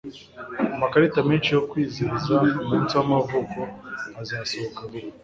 Amakarita menshi yo kwizihiza umunsi w'amavuko azasohoka vuba.